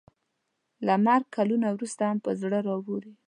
له مرګ کلونه وروسته هم په زړه راووري.